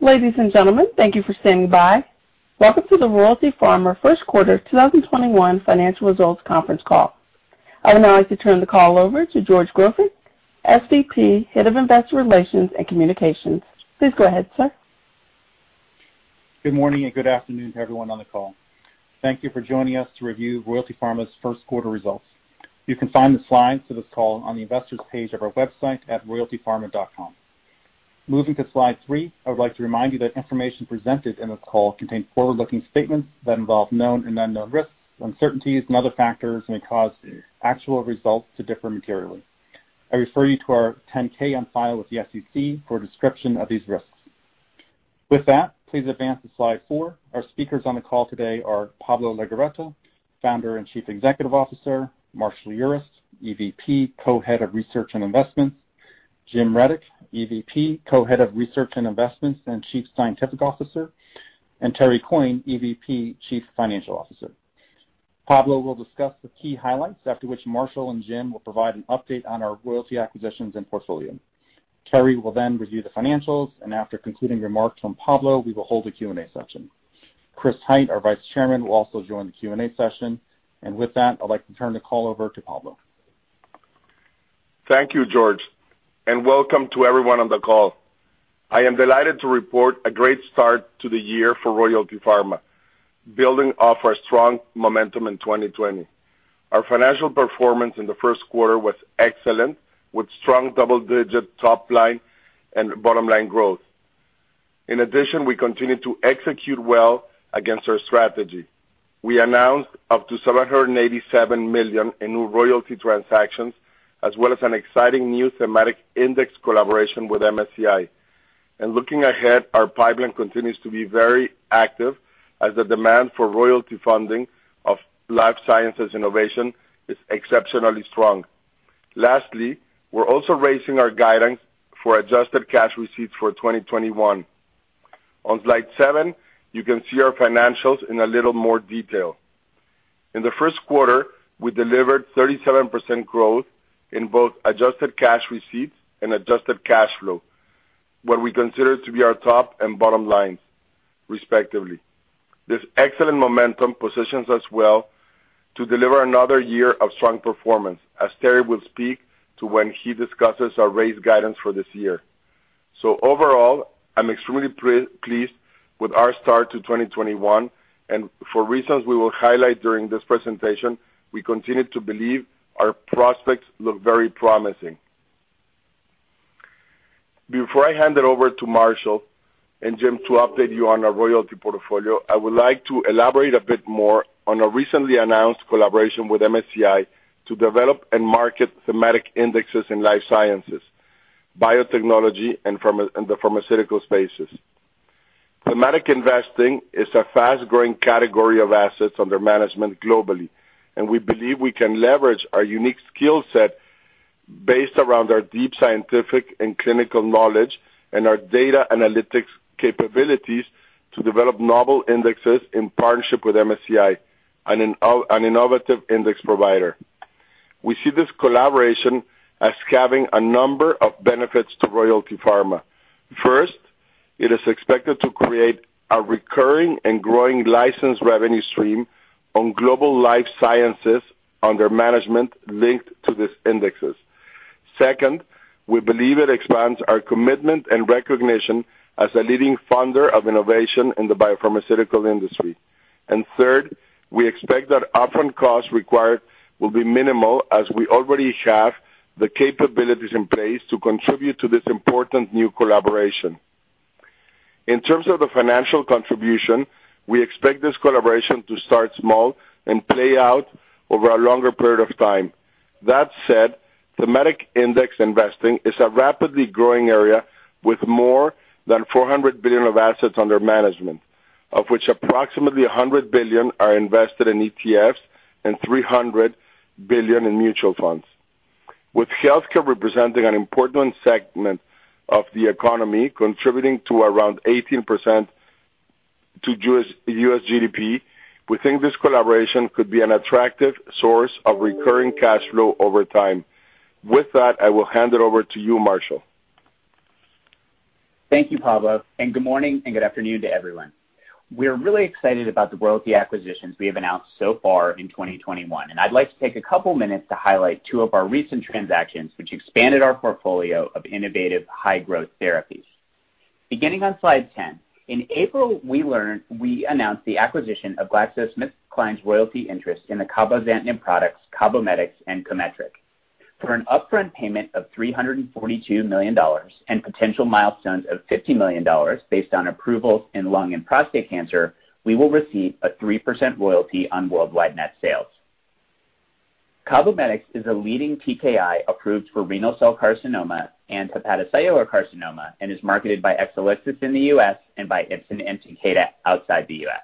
Ladies and gentlemen, thank you for standing by. Welcome to the Royalty Pharma First Quarter 2021 Financial Results Conference Call. I would now like to turn the call over to George Grofik, SVP, Head of Investor Relations and Communications. Please go ahead, sir. Good morning and good afternoon to everyone on the call. Thank you for joining us to review Royalty Pharma's first quarter results. You can find the slides for this call on the investors page of our website at royaltypharma.com. Moving to slide three, I would like to remind you that information presented in this call contains forward-looking statements that involve known and unknown risks, uncertainties and other factors that may cause actual results to differ materially. I refer you to our 10-K on file with the SEC for a description of these risks. With that, please advance to slide four. Our speakers on the call today are Pablo Legorreta, Founder and Chief Executive Officer, Marshall Urist, EVP, Co-Head of Research and Investments, Jim Reddoch, EVP, Co-Head of Research & Investments and Chief Scientific Officer, and Terry Coyne, EVP, Chief Financial Officer. Pablo will discuss the key highlights, after which Marshall and Jim will provide an update on our royalty acquisitions and portfolio. Terry will then review the financials, and after concluding remarks from Pablo, we will hold a Q&A session. Chris Hite, our Vice Chairman, will also join the Q&A session. With that, I'd like to turn the call over to Pablo. Thank you, George, and welcome to everyone on the call. I am delighted to report a great start to the year for Royalty Pharma, building off our strong momentum in 2020. Our financial performance in the first quarter was excellent, with strong double-digit top line and bottom line growth. In addition, we continued to execute well against our strategy. We announced up to $787 million in new royalty transactions, as well as an exciting new thematic index collaboration with MSCI. Looking ahead, our pipeline continues to be very active as the demand for royalty funding of life sciences innovation is exceptionally strong. Lastly, we're also raising our guidance for Adjusted Cash Receipts for 2021. On slide seven, you can see our financials in a little more detail. In the first quarter, we delivered 37% growth in both Adjusted Cash Receipts and Adjusted Cash Flow, what we consider to be our top and bottom lines, respectively. This excellent momentum positions us well to deliver another year of strong performance, as Terry will speak to when he discusses our raised guidance for this year. Overall, I'm extremely pleased with our start to 2021, and for reasons we will highlight during this presentation, we continue to believe our prospects look very promising. Before I hand it over to Marshall and Jim to update you on our royalty portfolio, I would like to elaborate a bit more on our recently announced collaboration with MSCI to develop and market thematic indexes in life sciences, biotechnology, and the pharmaceutical spaces. Thematic investing is a fast-growing category of assets under management globally. We believe we can leverage our unique skill set based around our deep scientific and clinical knowledge and our data analytics capabilities to develop novel indexes in partnership with MSCI, an innovative index provider. We see this collaboration as having a number of benefits to Royalty Pharma. First, it is expected to create a recurring and growing license revenue stream on global life sciences under management linked to these indexes. Second, we believe it expands our commitment and recognition as a leading funder of innovation in the biopharmaceutical industry. Third, we expect that upfront costs required will be minimal, as we already have the capabilities in place to contribute to this important new collaboration. In terms of the financial contribution, we expect this collaboration to start small and play out over a longer period of time. Thematic index investing is a rapidly growing area with more than $400 billion of assets under management, of which approximately $100 billion are invested in ETFs and $300 billion in mutual funds. With healthcare representing an important segment of the economy, contributing to around 18% to U.S. GDP, we think this collaboration could be an attractive source of recurring cash flow over time. With that, I will hand it over to you, Marshall. Thank you, Pablo, and good morning and good afternoon to everyone. We're really excited about the royalty acquisitions we have announced so far in 2021, and I'd like to take a couple minutes to highlight two of our recent transactions, which expanded our portfolio of innovative high-growth therapies. Beginning on slide 10, in April, we announced the acquisition of GlaxoSmithKline's royalty interest in the cabozantinib products, Cabometyx and COMETRIQ. For an upfront payment of $342 million and potential milestones of $50 million based on approvals in lung and prostate cancer, we will receive a 3% royalty on worldwide net sales. Cabometyx is a leading TKI approved for renal cell carcinoma and hepatocellular carcinoma and is marketed by Exelixis in the U.S. and by Ipsen and Takeda outside the U.S.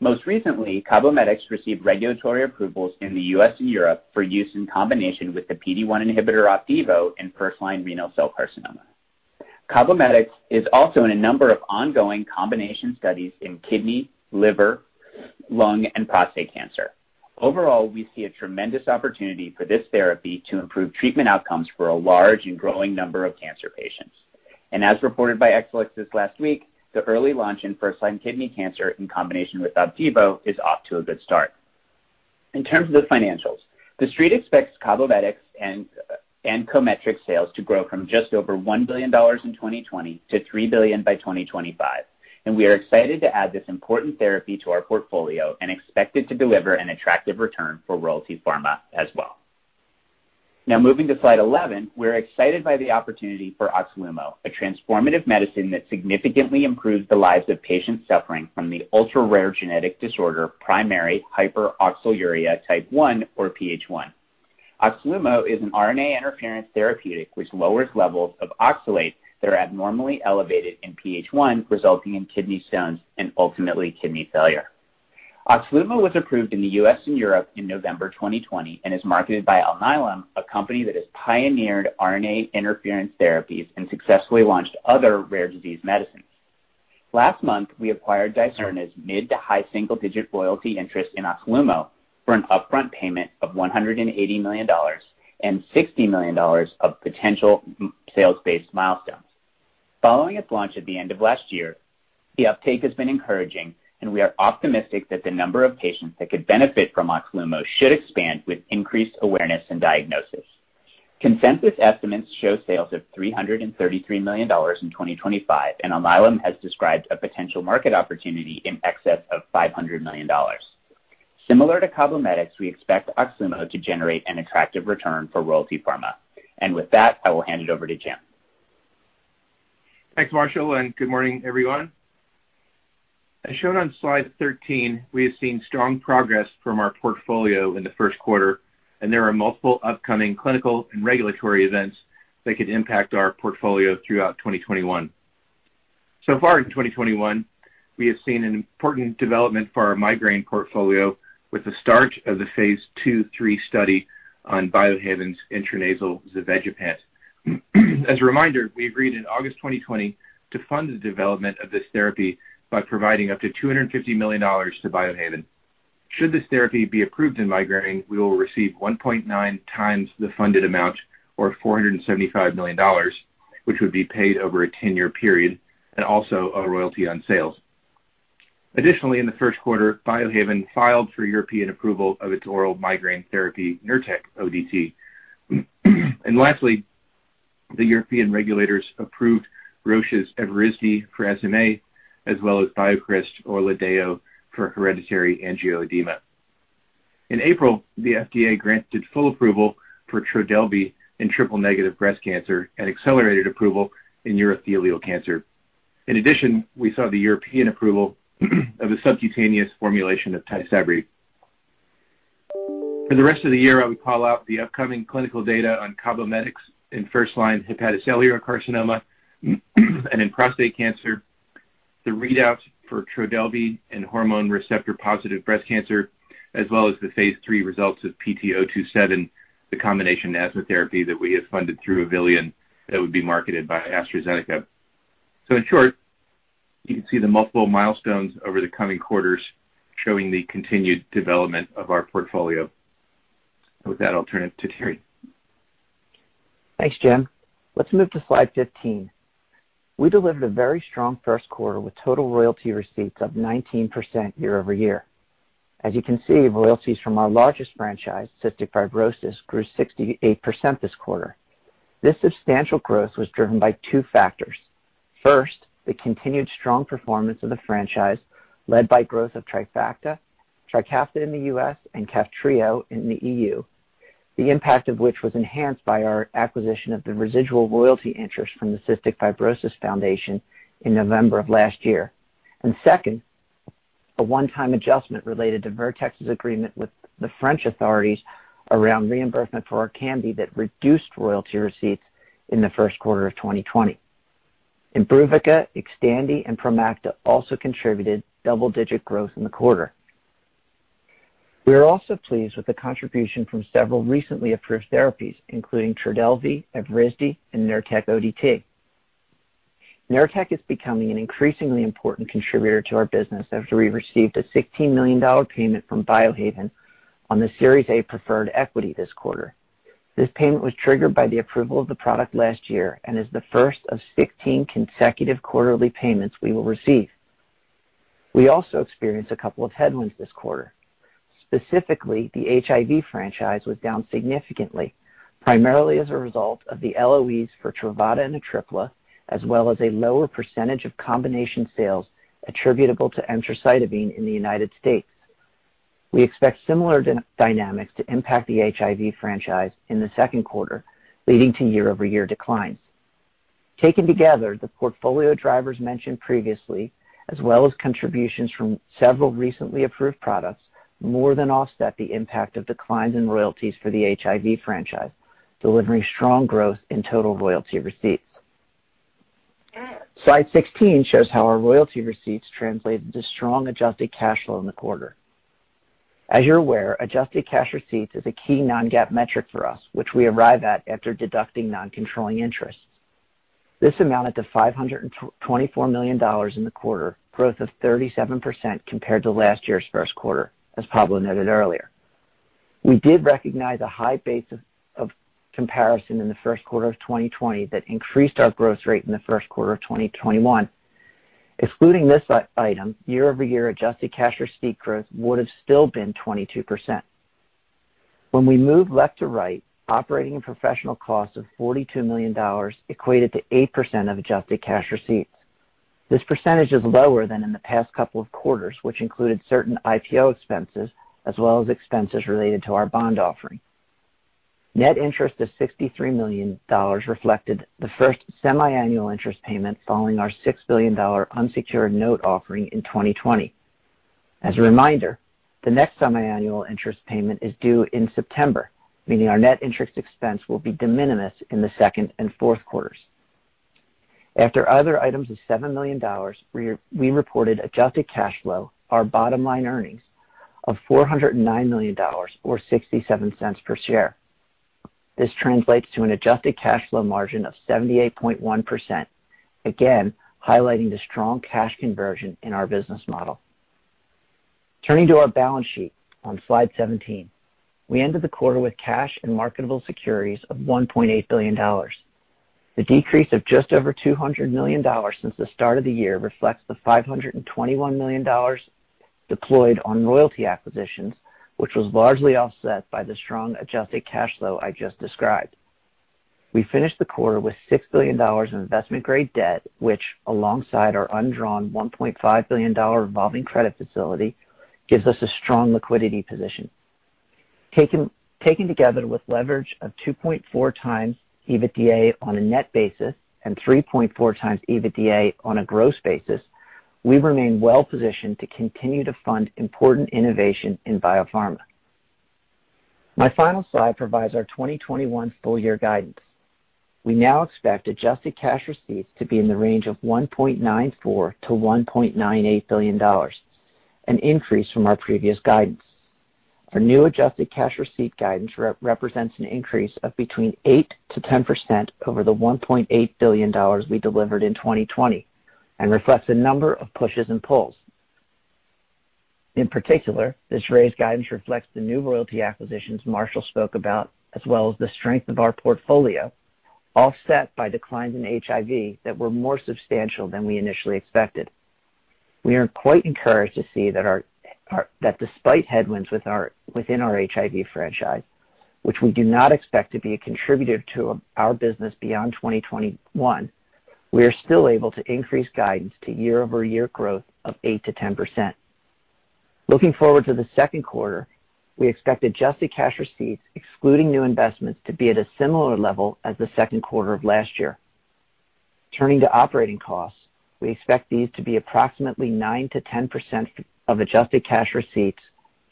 Most recently, Cabometyx received regulatory approvals in the U.S. and Europe for use in combination with the PD-1 inhibitor Opdivo in first-line renal cell carcinoma. Cabometyx is also in a number of ongoing combination studies in kidney, liver, lung and prostate cancer. Overall, we see a tremendous opportunity for this therapy to improve treatment outcomes for a large and growing number of cancer patients. As reported by Exelixis last week, the early launch in first-line kidney cancer in combination with Opdivo is off to a good start. In terms of the financials, the Street expects Cabometyx and COMETRIQ sales to grow from just over $1 billion in 2020 to $3 billion by 2025, and we are excited to add this important therapy to our portfolio and expect it to deliver an attractive return for Royalty Pharma as well. Now moving to slide 11, we're excited by the opportunity for OXLUMO, a transformative medicine that significantly improves the lives of patients suffering from the ultra-rare genetic disorder, primary hyperoxaluria Type 1, or PH1. OXLUMO is an RNA interference therapeutic which lowers levels of oxalate that are abnormally elevated in PH1, resulting in kidney stones and ultimately kidney failure. OXLUMO was approved in the U.S. and Europe in November 2020 and is marketed by Alnylam, a company that has pioneered RNA interference therapies and successfully launched other rare disease medicines. Last month, we acquired Dicerna's mid to high single-digit royalty interest in OXLUMO for an upfront payment of $180 million and $60 million of potential sales-based milestones. Following its launch at the end of last year, the uptake has been encouraging, and we are optimistic that the number of patients that could benefit from OXLUMO should expand with increased awareness and diagnosis. Consensus estimates show sales of $333 million in 2025, and Alnylam has described a potential market opportunity in excess of $500 million. Similar to Cabometyx, we expect OXLUMO to generate an attractive return for Royalty Pharma. With that, I will hand it over to Jim. Thanks, Marshall. Good morning, everyone. As shown on slide 13, we have seen strong progress from our portfolio in the first quarter. There are multiple upcoming clinical and regulatory events that could impact our portfolio throughout 2021. Far in 2021, we have seen an important development for our migraine portfolio with the start of the phase II/III study on Biohaven's intranasal zavegepant. As a reminder, we agreed in August 2020 to fund the development of this therapy by providing up to $250 million to Biohaven. Should this therapy be approved in migraine, we will receive 1.9 times the funded amount, or $475 million, which would be paid over a 10-year period. Also a royalty on sales. Additionally, in the first quarter, Biohaven filed for European approval of its oral migraine therapy, NURTEC ODT. Lastly, the European regulators approved Roche's Evrysdi for SMA, as well as BioCryst ORLADEYO for hereditary angioedema. In April, the FDA granted full approval for TRODELVY in triple-negative breast cancer and accelerated approval in urothelial cancer. In addition, we saw the European approval of a subcutaneous formulation of Tysabri. For the rest of the year, I would call out the upcoming clinical data on Cabometyx in first-line hepatocellular carcinoma and in prostate cancer, the readouts for TRODELVY in hormone receptor-positive breast cancer, as well as the phase III results of PT027, the combination asthma therapy that we have funded through Avillion that would be marketed by AstraZeneca. In short, you can see the multiple milestones over the coming quarters showing the continued development of our portfolio. With that, I'll turn it to Terry. Thanks, Jim. Let's move to slide 15. We delivered a very strong first quarter with total royalty receipts up 19% year-over-year. As you can see, royalties from our largest franchise, cystic fibrosis, grew 68% this quarter. This substantial growth was driven by two factors. First, the continued strong performance of the franchise led by growth of TRIKAFTA in the U.S., and Kaftrio in the EU, the impact of which was enhanced by our acquisition of the residual royalty interest from the Cystic Fibrosis Foundation in November of last year. Second, a one-time adjustment related to Vertex's agreement with the French authorities around reimbursement for ORKAMBI that reduced royalty receipts in the first quarter of 2020. IMBRUVICA, XTANDI, and PROMACTA also contributed double-digit growth in the quarter. We are also pleased with the contribution from several recently approved therapies, including TRODELVY, Evrysdi, and NURTEC ODT. NURTEC is becoming an increasingly important contributor to our business after we received a $16 million payment from Biohaven on the Series A preferred equity this quarter. This payment was triggered by the approval of the product last year and is the first of 16 consecutive quarterly payments we will receive. We also experienced a couple of headwinds this quarter. Specifically, the HIV franchise was down significantly, primarily as a result of the LOEs for Truvada and Atripla, as well as a lower percentage of combination sales attributable to emtricitabine in the United States. We expect similar dynamics to impact the HIV franchise in the second quarter, leading to year-over-year declines. Taken together, the portfolio drivers mentioned previously, as well as contributions from several recently approved products, more than offset the impact of declines in royalties for the HIV franchise, delivering strong growth in total royalty receipts. Slide 16 shows how our royalty receipts translated to strong Adjusted Cash Flow in the quarter. As you're aware, Adjusted Cash Receipts is a key non-GAAP metric for us, which we arrive at after deducting non-controlling interests. This amounted to $524 million in the quarter, growth of 37% compared to last year's first quarter, as Pablo noted earlier. We did recognize a high base of comparison in the first quarter of 2020 that increased our growth rate in the first quarter of 2021. Excluding this item, year-over-year Adjusted Cash Receipt growth would've still been 22%. We move left to right, operating professional costs of $42 million equated to 8% of Adjusted Cash Receipts. This percentage is lower than in the past couple of quarters, which included certain IPO expenses as well as expenses related to our bond offering. Net interest of $63 million reflected the first semiannual interest payment following our $6 billion unsecured note offering in 2020. As a reminder, the next semiannual interest payment is due in September, meaning our net interest expense will be de minimis in the second and fourth quarters. After other items of $7 million, we reported Adjusted Cash Flow, our bottom line earnings of $409 million, or $0.67 per share. This translates to an Adjusted Cash Flow margin of 78.1%, again, highlighting the strong cash conversion in our business model. Turning to our balance sheet on slide 17, we ended the quarter with cash and marketable securities of $1.8 billion. The decrease of just over $200 million since the start of the year reflects the $521 million deployed on royalty acquisitions, which was largely offset by the strong Adjusted Cash Flow I just described. We finished the quarter with $6 billion in investment-grade debt, which alongside our undrawn $1.5 billion revolving credit facility, gives us a strong liquidity position. Taken together with leverage of 2.4x EBITDA on a net basis and 3.4x EBITDA on a gross basis, we remain well-positioned to continue to fund important innovation in biopharma. My final slide provides our 2021 full year guidance. We now expect Adjusted Cash Receipts to be in the range of $1.94 billion-$1.98 billion, an increase from our previous guidance. Our new Adjusted Cash Receipt guidance represents an increase of between 8%-10% over the $1.8 billion we delivered in 2020 and reflects a number of pushes and pulls. In particular, this raised guidance reflects the new royalty acquisitions Marshall spoke about, as well as the strength of our portfolio, offset by declines in HIV that were more substantial than we initially expected. We are quite encouraged to see that despite headwinds within our HIV franchise, which we do not expect to be a contributor to our business beyond 2021, we are still able to increase guidance to year-over-year growth of 8%-10%. Looking forward to the second quarter, we expect Adjusted Cash Receipts, excluding new investments, to be at a similar level as the second quarter of last year. Turning to operating costs, we expect these to be approximately 9%-10% of Adjusted Cash Receipts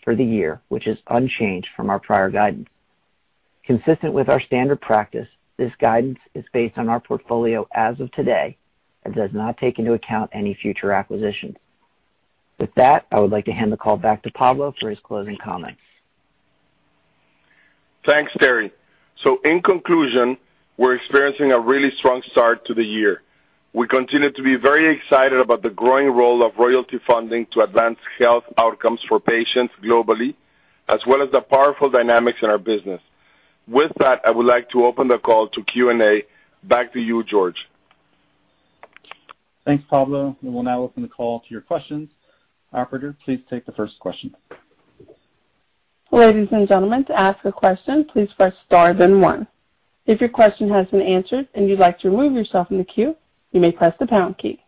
for the year, which is unchanged from our prior guidance. Consistent with our standard practice, this guidance is based on our portfolio as of today and does not take into account any future acquisitions. With that, I would like to hand the call back to Pablo for his closing comments. Thanks, Terry. In conclusion, we're experiencing a really strong start to the year. We continue to be very excited about the growing role of royalty funding to advance health outcomes for patients globally, as well as the powerful dynamics in our business. With that, I would like to open the call to Q&A. Back to you, George. Thanks, Pablo. We will now open the call to your questions. Operator, please take the first question. Ladies and gentlemen, to ask a question, please press star then one. If your question has been answered and you'd like to remove yourself from the queue, you may press the pound key.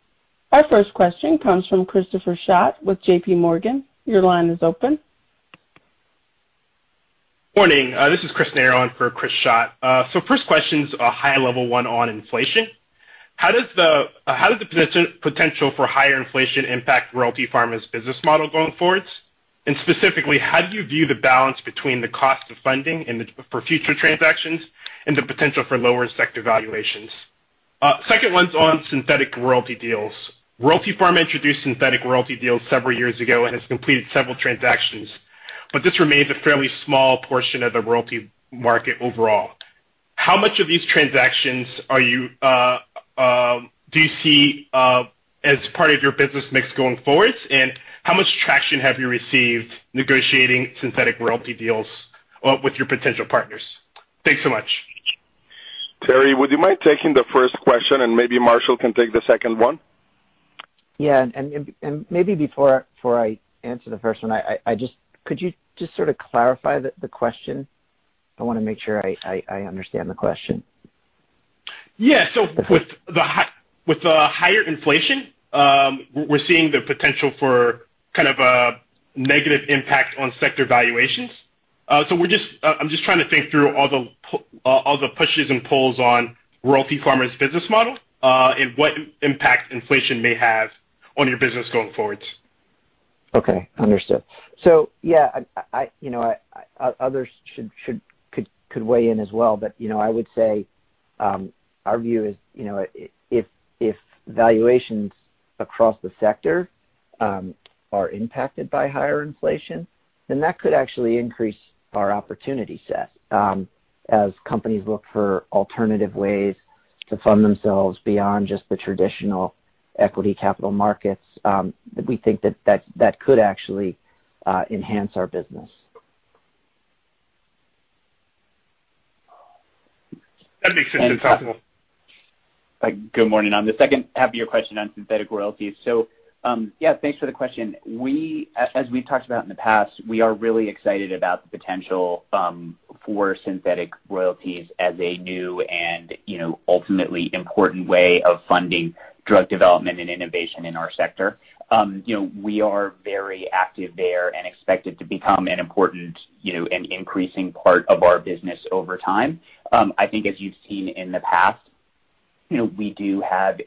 Our first question comes from Christopher Schott with JPMorgan. Your line is open. Morning. This is Chris Neyor for Christopher Schott. First question's a high level one on inflation. How does the potential for higher inflation impact Royalty Pharma's business model going forwards? Specifically, how do you view the balance between the cost of funding for future transactions and the potential for lower sector valuations? Second one's on synthetic royalty deals. Royalty Pharma introduced synthetic royalty deals several years ago and has completed several transactions, but this remains a fairly small portion of the royalty market overall. How much of these transactions do you see as part of your business mix going forwards, and how much traction have you received negotiating synthetic royalty deals with your potential partners? Thanks so much. Terry, would you mind taking the first question, and maybe Marshall can take the second one? Yeah, maybe before I answer the first one, could you just sort of clarify the question? I want to make sure I understand the question. Yeah. With the higher inflation, we're seeing the potential for kind of a negative impact on sector valuations. I'm just trying to think through all the pushes and pulls on Royalty Pharma's business model, and what impact inflation may have on your business going forwards. Okay. Understood. Yeah, others could weigh in as well, but Our view is, if valuations across the sector are impacted by higher inflation, then that could actually increase our opportunity set as companies look for alternative ways to fund themselves beyond just the traditional equity capital markets. We think that could actually enhance our business. That makes sense. Good morning. On the second half of your question on synthetic royalties. Yeah, thanks for the question. As we've talked about in the past, we are really excited about the potential for synthetic royalties as a new and ultimately important way of funding drug development and innovation in our sector. We are very active there and expect it to become an important and increasing part of our business over time. I think as you've seen in the past, we do have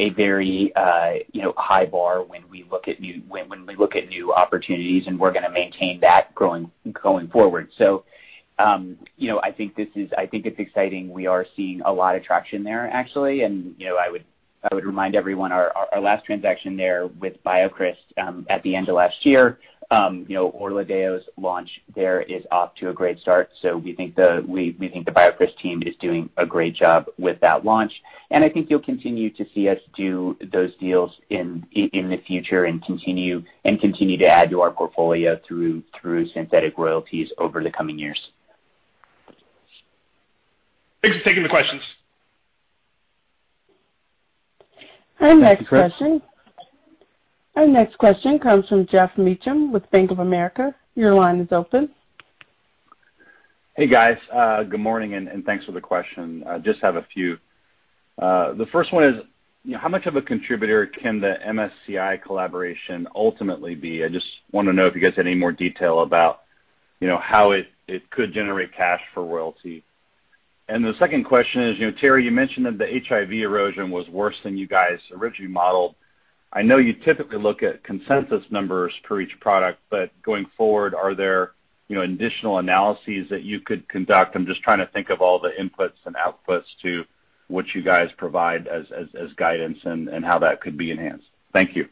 a very high bar when we look at new opportunities, and we're going to maintain that going forward. I think it's exciting. We are seeing a lot of traction there actually, and I would remind everyone our last transaction there with BioCryst at the end of last year, ORLADEYO's launch there is off to a great start. We think the BioCryst team is doing a great job with that launch, and I think you'll continue to see us do those deals in the future and continue to add to our portfolio through synthetic royalties over the coming years. Thanks for taking the questions. Our next question. Thank you, Chris. Our next question comes from Geoff Meacham with Bank of America. Your line is open. Hey, guys. Good morning. Thanks for the question. I just have a few. The first one is, how much of a contributor can the MSCI collaboration ultimately be? I just want to know if you guys have any more detail about how it could generate cash for royalty. The second question is, Terry, you mentioned that the HIV erosion was worse than you guys originally modeled. I know you typically look at consensus numbers per each product. Going forward, are there additional analyses that you could conduct? I'm just trying to think of all the inputs and outputs to what you guys provide as guidance and how that could be enhanced. Thank you.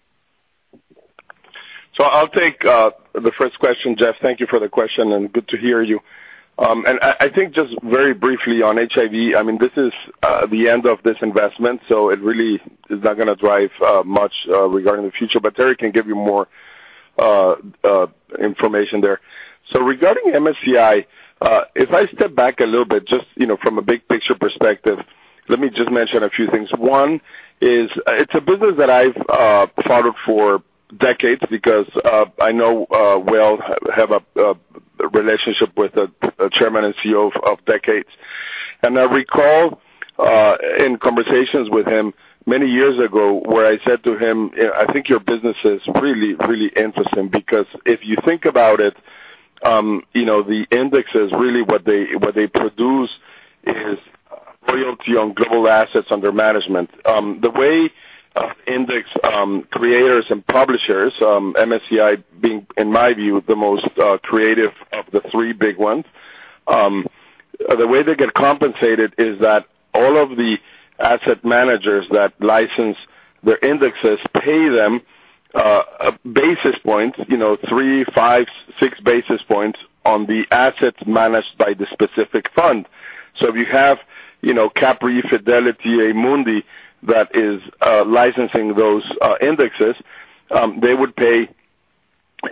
I'll take the first question, Geoff. Thank you for the question and good to hear you. I think just very briefly on HIV, this is the end of this investment, so it really is not going to drive much regarding the future, but Terry can give you more information there. Regarding MSCI, if I step back a little bit, just from a big picture perspective, let me just mention a few things. One is it's a business that I've followed for decades because I know Will, have a relationship with the Chairman and CEO of decades. I recall in conversations with him many years ago where I said to him, "I think your business is really interesting," because if you think about it, the index is really what they produce is royalty on global assets under management. The way index creators and publishers, MSCI being, in my view, the most creative of the three big ones. The way they get compensated is that all of the asset managers that license their indexes pay them basis points 3, 5, 6 basis points on the assets managed by the specific fund. If you have CapRe Fidelity, Amundi that is licensing those indexes, they would pay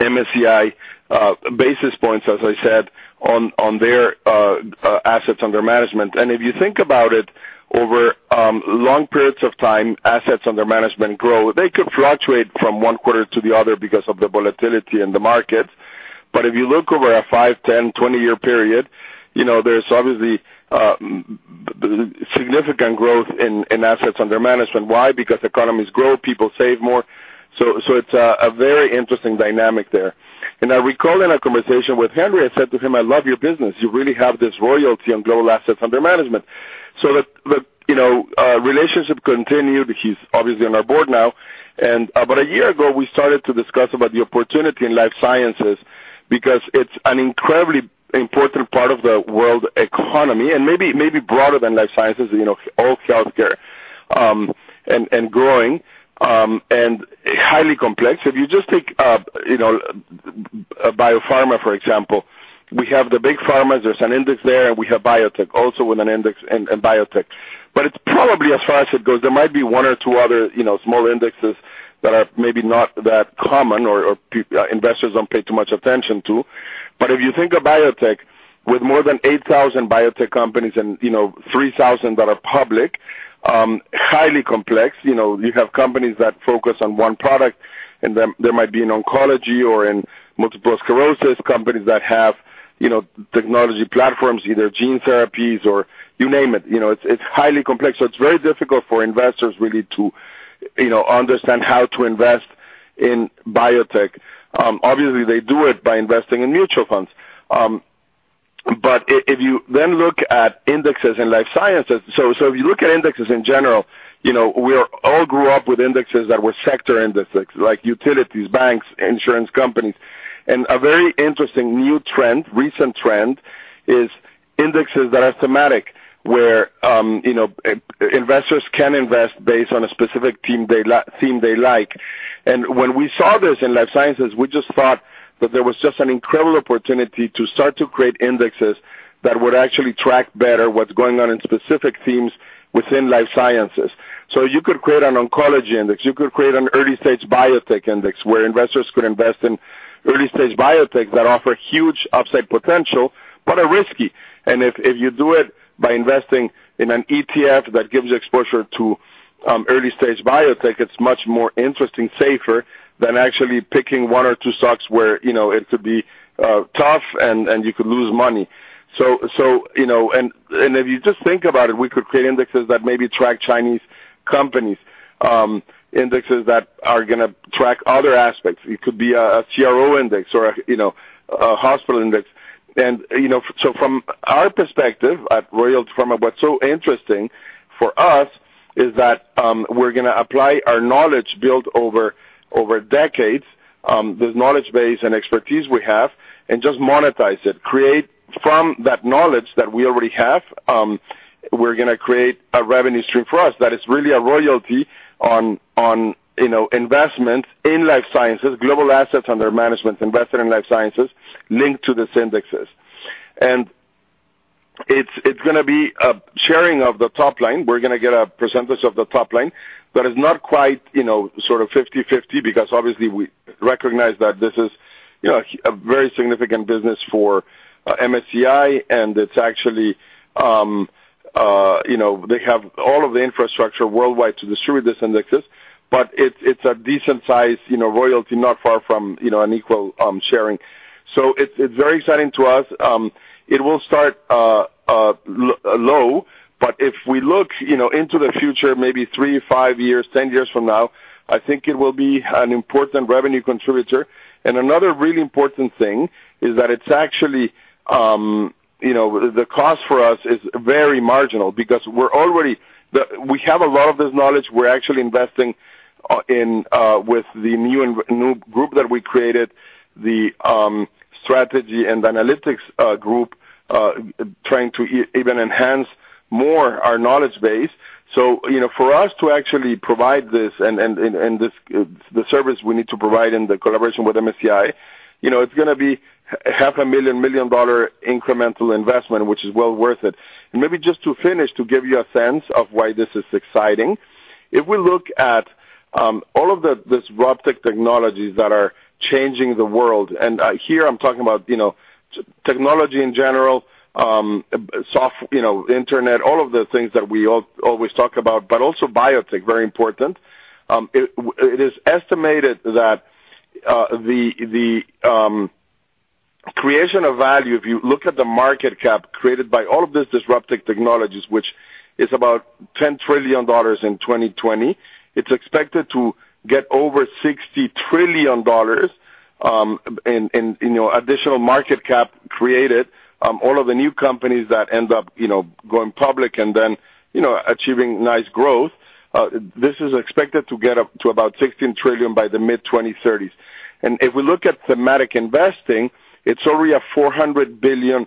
MSCI basis points, as I said, on their assets under management. If you think about it, over long periods of time, assets under management grow. They could fluctuate from one quarter to the other because of the volatility in the market. If you look over a five, 10, 20 year period, there's obviously significant growth in assets under management. Why? Because economies grow, people save more. It's a very interesting dynamic there. I recall in a conversation with Henry, I said to him, "I love your business. You really have this royalty on global assets under management." The relationship continued. He's obviously on our board now. About a year ago, we started to discuss about the opportunity in life sciences because it's an incredibly important part of the world economy and maybe broader than life sciences, all healthcare, and growing, and highly complex. If you just take a biopharma, for example. We have the big pharmas. There's an index there, and we have biotech, also with an index in biotech. It's probably as far as it goes. There might be one or two other smaller indexes that are maybe not that common or investors don't pay too much attention to. If you think of biotech with more than 8,000 biotech companies and 3,000 that are public, highly complex. You have companies that focus on one product, and there might be in oncology or in multiple sclerosis companies that have technology platforms, either gene therapies or you name it. It's highly complex. It's very difficult for investors really to understand how to invest in biotech. Obviously, they do it by investing in mutual funds. If you then look at indexes in life sciences. If you look at indexes in general, we all grew up with indexes that were sector indexes like utilities, banks, insurance companies. A very interesting new trend, recent trend, is indexes that are thematic, where investors can invest based on a specific theme they like. When we saw this in life sciences, we just thought that there was just an incredible opportunity to start to create indexes that would actually track better what's going on in specific themes within life sciences. You could create an oncology index. You could create an early-stage biotech index, where investors could invest in early-stage biotech that offer huge upside potential but are risky. If you do it by investing in an ETF that gives you exposure to early-stage biotech, it's much more interesting, safer than actually picking one or two stocks where it could be tough and you could lose money. If you just think about it, we could create indexes that maybe track Chinese companies, indexes that are going to track other aspects. It could be a CRO index or a hospital index. From our perspective at Royalty Pharma, what's so interesting for us is that we're going to apply our knowledge built over decades, this knowledge base and expertise we have, and just monetize it. From that knowledge that we already have, we're going to create a revenue stream for us that is really a royalty on investments in life sciences, global assets under management invested in life sciences linked to these indexes. It's going to be a sharing of the top line. We're going to get a percentage of the top line, it's not quite sort of 50/50 because obviously we recognize that this is a very significant business for MSCI, and it's actually they have all of the infrastructure worldwide to distribute these indexes. It's a decent size royalty, not far from an equal sharing. It's very exciting to us. It will start low, but if we look into the future, maybe three, five years, 10 years from now, I think it will be an important revenue contributor. Another really important thing is that it's actually the cost for us is very marginal because we have a lot of this knowledge. We're actually investing with the new group that we created, the Strategy and Analytics Group trying to even enhance more our knowledge base. For us to actually provide this and the service we need to provide in the collaboration with MSCI, it's going to be $500,000 incremental investment, which is well worth it. Maybe just to finish, to give you a sense of why this is exciting, if we look at all of these robotic technologies that are changing the world, and here I'm talking about technology in general, internet, all of the things that we always talk about, but also biotech, very important. It is estimated that the creation of value, if you look at the market cap created by all of these disruptive technologies, which is about $10 trillion in 2020, it's expected to get over $60 trillion in additional market cap created. All of the new companies that end up going public and then achieving nice growth, this is expected to get up to about $16 trillion by the mid 2030s. If we look at thematic investing, it's already a $400 billion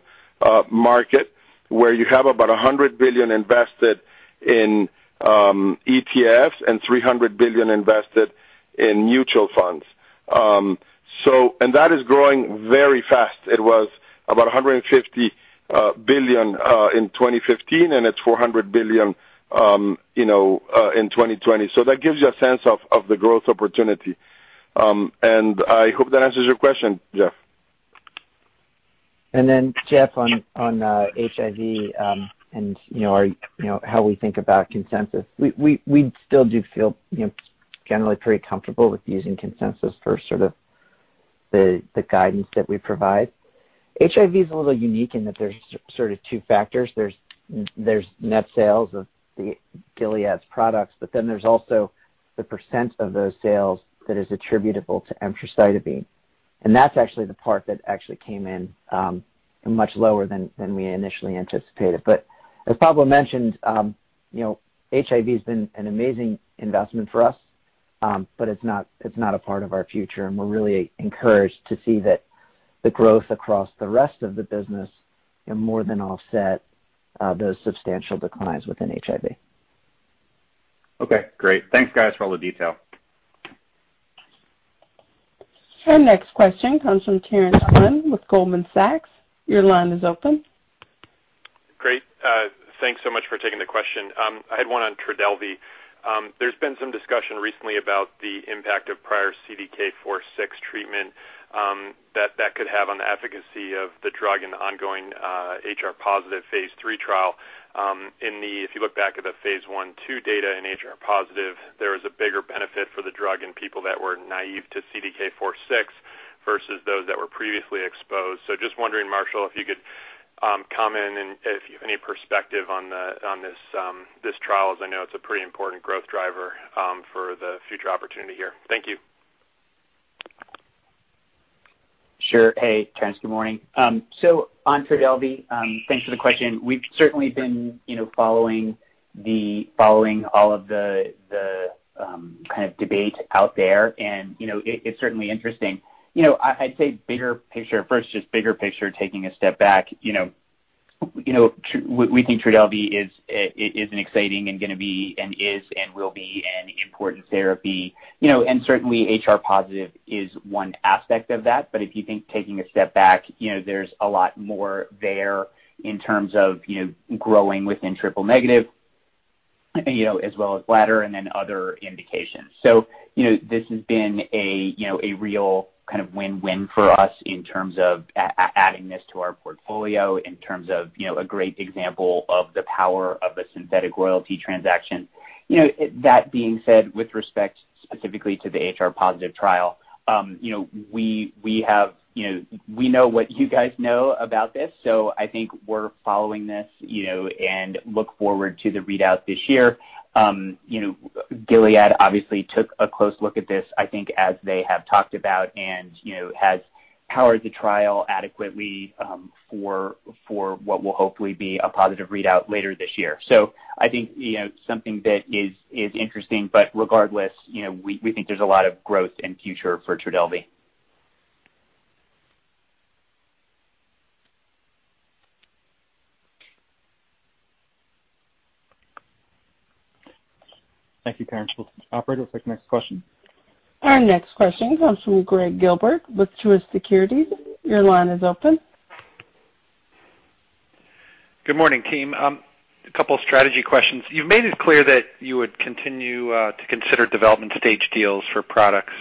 market where you have about $100 billion invested in ETFs and $300 billion invested in mutual funds. That is growing very fast. It was about $150 billion in 2015, and it's $400 billion in 2020. That gives you a sense of the growth opportunity. I hope that answers your question, Geoff. Geoff, on HIV, and how we think about consensus, we still do feel generally pretty comfortable with using consensus for sort of the guidance that we provide. HIV is a little unique in that there is sort of two factors. There is net sales of Gilead Sciences' products, there is also the percent of those sales that is attributable to emtricitabine, and that is actually the part that actually came in much lower than we initially anticipated. As Pablo mentioned, HIV has been an amazing investment for us, but it is not a part of our future, and we are really encouraged to see that the growth across the rest of the business more than offset those substantial declines within HIV. Okay, great. Thanks guys for all the detail. Our next question comes from Terence Flynn with Goldman Sachs. Your line is open. Great. Thanks so much for taking the question. I had one on TRODELVY. There's been some discussion recently about the impact of prior CDK4/6 treatment that could have on the efficacy of the drug and the ongoing HR-positive phase III trial. If you look back at the phase I/II data in HR-positive, there is a bigger benefit for the drug in people that were naive to CDK4/6 versus those that were previously exposed. Just wondering, Marshall, if you could comment and if you have any perspective on this trial, as I know it's a pretty important growth driver for the future opportunity here. Thank you. Sure. Hey, Terence, good morning. On TRODELVY, thanks for the question. We've certainly been following all of the kind of debate out there and it's certainly interesting. I'd say bigger picture first, just bigger picture, taking a step back, we think TRODELVY is an exciting and going to be, and is and will be an important therapy. Certainly HR-positive is one aspect of that. If you think taking a step back, there's a lot more there in terms of growing within triple-negative, as well as bladder and then other indications. This has been a real kind of win-win for us in terms of adding this to our portfolio in terms of a great example of the power of a synthetic royalty transaction. That being said, with respect specifically to the HR-positive trial, we know what you guys know about this. I think we're following this, and look forward to the readout this year. Gilead obviously took a close look at this, I think as they have talked about and has powered the trial adequately for what will hopefully be a positive readout later this year. I think something that is interesting, but regardless, we think there's a lot of growth and future for TRODELVY. Thank you, Terence Flynn. We'll operate with next question. Our next question comes from Gregg Gilbert with Truist Securities. Your line is open. Good morning, team. A couple strategy questions. You've made it clear that you would continue to consider development stage deals for products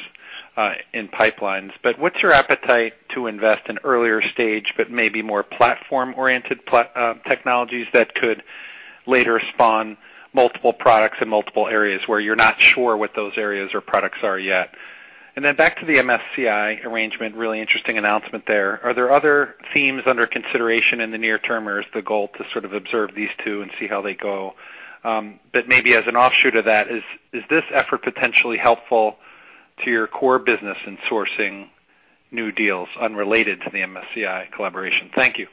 in pipelines, what's your appetite to invest in earlier stage, but maybe more platform-oriented technologies that could later spawn multiple products in multiple areas where you're not sure what those areas or products are yet? Back to the MSCI arrangement, really interesting announcement there. Are there other themes under consideration in the near term, or is the goal to sort of observe these two and see how they go? Maybe as an offshoot of that, is this effort potentially helpful to your core business in sourcing new deals unrelated to the MSCI collaboration? Thank you.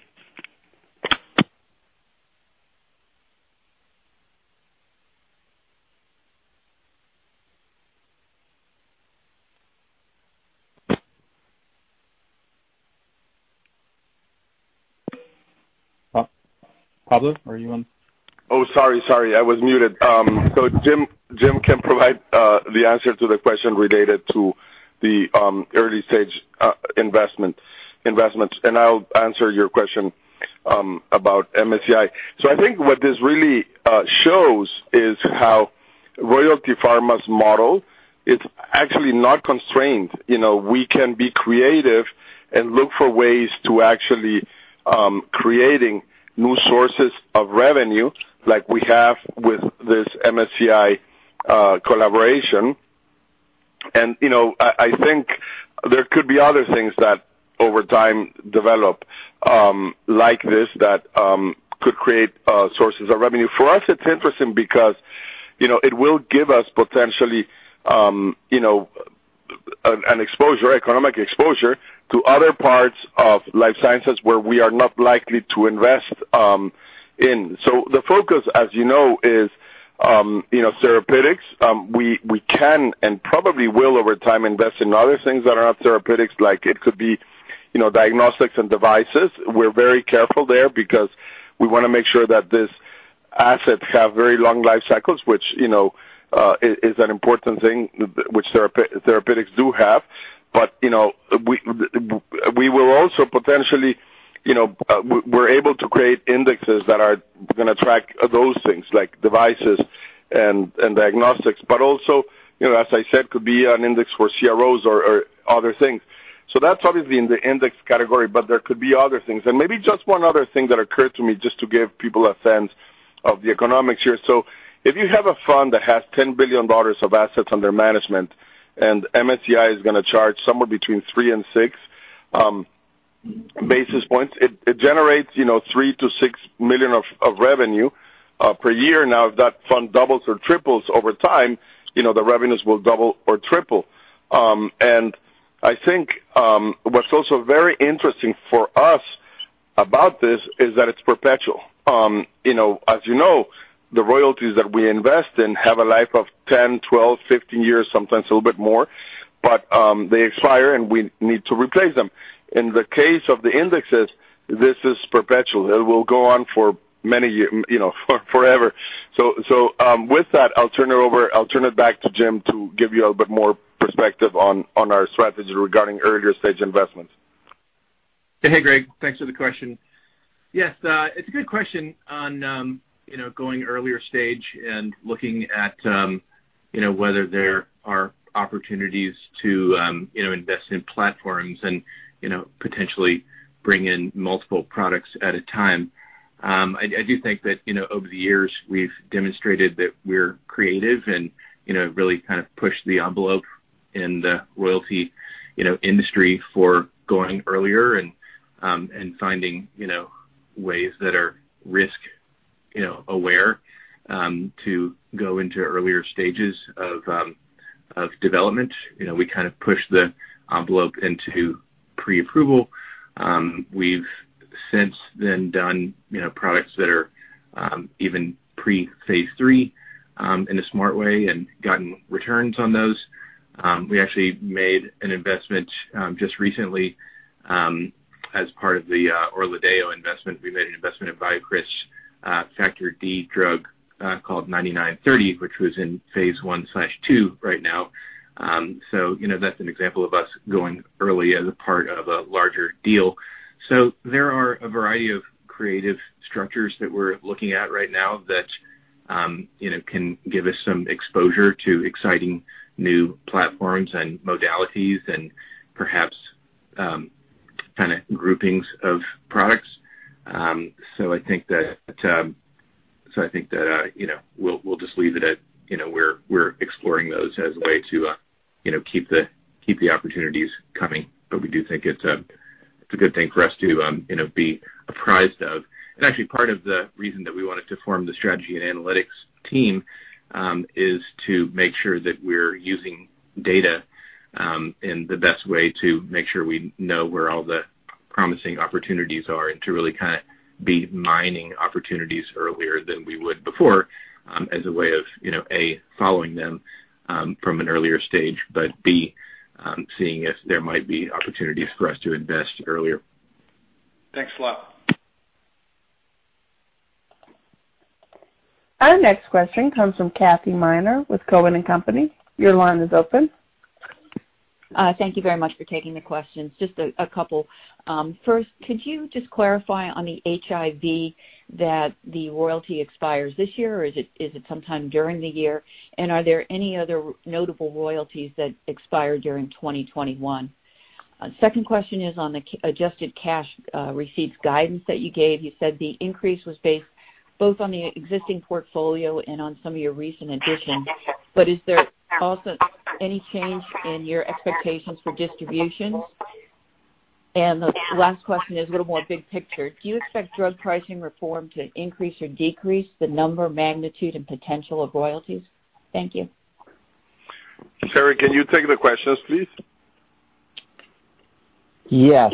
Pablo, are you on? Oh, sorry, I was muted. Jim can provide the answer to the question related to the early stage investments, and I'll answer your question about MSCI. I think what this really shows is how Royalty Pharma's model is actually not constrained. We can be creative and look for ways to actually creating new sources of revenue like we have with this MSCI collaboration. I think there could be other things that over time develop like this that could create sources of revenue. For us, it's interesting because it will give us potentially an economic exposure to other parts of life sciences where we are not likely to invest in. The focus, as you know, is therapeutics. We can and probably will over time invest in other things that are not therapeutics, like it could be diagnostics and devices. We're very careful there because we want to make sure that these assets have very long life cycles, which is an important thing which therapeutics do have. We're able to create indexes that are going to track those things like devices and diagnostics, but also, as I said, could be an index for CROs or other things. That's obviously in the index category, but there could be other things, and maybe just one other thing that occurred to me just to give people a sense of the economics here. If you have a fund that has $10 billion of assets under management, and MSCI is going to charge somewhere between 3 and 6 basis points, it generates $3 million-$6 million of revenue per year. Now, if that fund doubles or triples over time, the revenues will double or triple. I think what's also very interesting for us about this is that it's perpetual. As you know, the royalties that we invest in have a life of 10, 12, 15 years, sometimes a little bit more, but they expire and we need to replace them. In the case of the indexes, this is perpetual. It will go on for many years, for forever. With that, I'll turn it back to Jim to give you a bit more perspective on our strategy regarding earlier stage investments. Hey, Gregg, thanks for the question. Yes, it's a good question on going earlier stage and looking at whether there are opportunities to invest in platforms and potentially bring in multiple products at a time. I do think that over the years, we've demonstrated that we're creative and really kind of push the envelope in the Royalty Pharma industry for going earlier and finding ways that are risk aware to go into earlier stages of. Of development. We kind of pushed the envelope into pre-approval. We've since then done products that are even pre-phase III in a smart way and gotten returns on those. We actually made an investment just recently, as part of the ORLADEYO investment, we made an investment in BioCryst Factor D drug called BCX9930, which was in phase I/II right now. That's an example of us going early as a part of a larger deal. There are a variety of creative structures that we're looking at right now that can give us some exposure to exciting new platforms and modalities and perhaps groupings of products. I think that we'll just leave it at we're exploring those as a way to keep the opportunities coming. We do think it's a good thing for us to be apprised of. Actually, part of the reason that we wanted to form the strategy and analytics team is to make sure that we're using data in the best way to make sure we know where all the promising opportunities are and to really be mining opportunities earlier than we would before as a way of, A, following them from an earlier stage, but B, seeing if there might be opportunities for us to invest earlier. Thanks a lot. Our next question comes from Kathy Miner with Cowen and Company. Your line is open. Thank you very much for taking the questions. Just a couple. First, could you just clarify on the HIV that the royalty expires this year, or is it sometime during the year? Are there any other notable royalties that expire during 2021? Second question is on the Adjusted Cash Receipts guidance that you gave. You said the increase was based both on the existing portfolio and on some of your recent additions. Is there also any change in your expectations for distributions? The last question is a little more big picture. Do you expect drug pricing reform to increase or decrease the number, magnitude, and potential of royalties? Thank you. Terry, can you take the questions, please? Yes.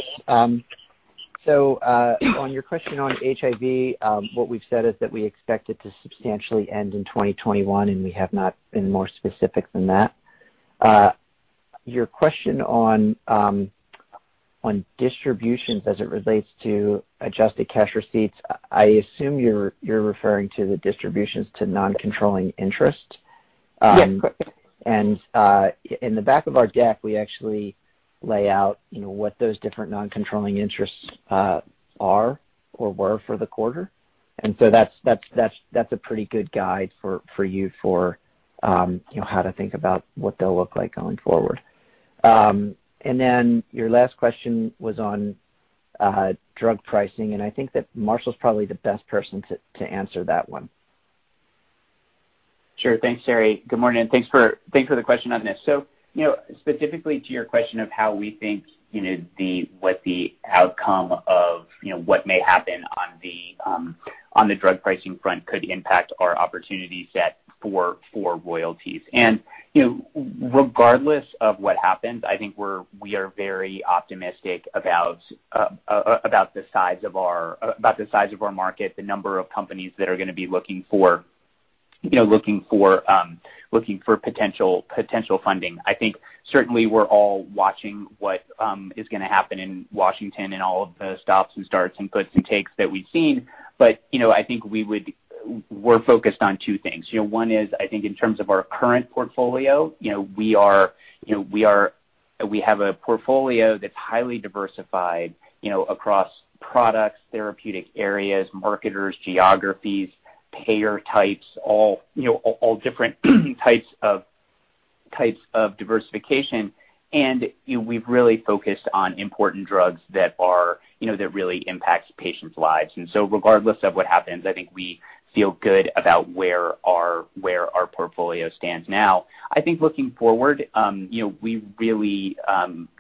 On your question on HIV, what we've said is that we expect it to substantially end in 2021, and we have not been more specific than that. Your question on distributions as it relates to Adjusted Cash Receipts, I assume you're referring to the distributions to non-controlling interest. Yes. In the back of our deck, we actually lay out what those different non-controlling interests are or were for the quarter. That's a pretty good guide for you for how to think about what they'll look like going forward. Your last question was on drug pricing, and I think that Marshall's probably the best person to answer that one. Sure. Thanks, Terry. Good morning, thanks for the question on this. Specifically to your question of how we think what the outcome of what may happen on the drug pricing front could impact our opportunity set for royalties. Regardless of what happens, I think we are very optimistic about the size of our market, the number of companies that are going to be looking for potential funding. I think certainly we're all watching what is going to happen in Washington and all of the stops and starts and puts and takes that we've seen. I think we're focused on two things. One is, I think in terms of our current portfolio, we have a portfolio that's highly diversified across products, therapeutic areas, marketers, geographies, payer types, all different types of diversification. We've really focused on important drugs that really impact patients' lives. Regardless of what happens, I think we feel good about where our portfolio stands now. I think looking forward, we really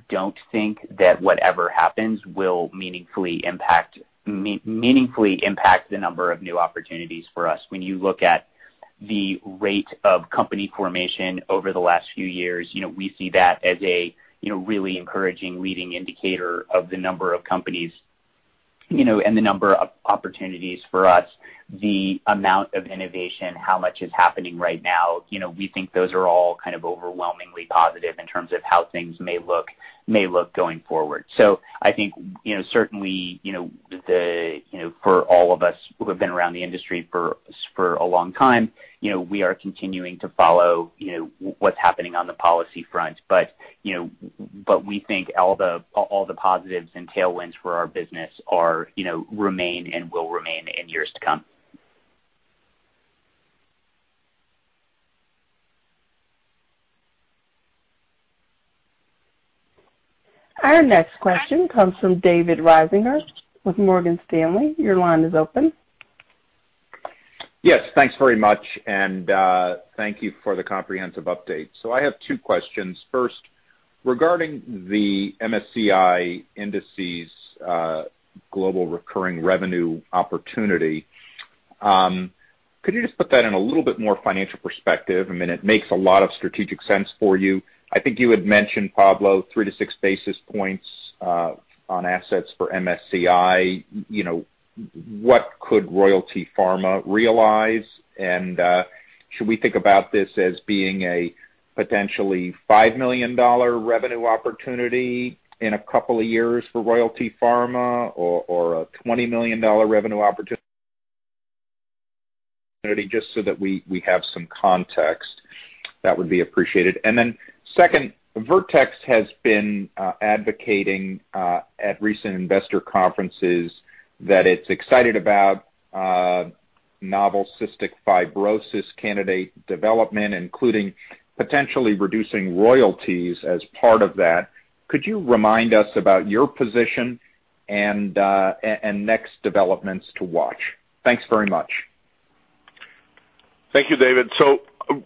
don't think that whatever happens will meaningfully impact the number of new opportunities for us. When you look at the rate of company formation over the last few years, we see that as a really encouraging leading indicator of the number of companies and the number of opportunities for us. The amount of innovation, how much is happening right now, we think those are all overwhelmingly positive in terms of how things may look going forward. I think certainly for all of us who have been around the industry for a long time, we are continuing to follow what's happening on the policy front. We think all the positives and tailwinds for our business remain and will remain in years to come. Our next question comes from David Risinger with Morgan Stanley. Your line is open. Yes, thanks very much, and thank you for the comprehensive update. I have two questions. First, regarding the MSCI indices global recurring revenue opportunity, could you just put that in a little bit more financial perspective? It makes a lot of strategic sense for you. I think you had mentioned, Pablo, 3 to 6 basis points on assets for MSCI. What could Royalty Pharma realize? Should we think about this as being a potentially $5 million revenue opportunity in a couple of years for Royalty Pharma or a $20 million revenue opportunity, just so that we have some context? That would be appreciated. Second, Vertex has been advocating at recent investor conferences that it's excited about novel cystic fibrosis candidate development, including potentially reducing royalties as part of that. Could you remind us about your position and next developments to watch? Thanks very much. Thank you, David.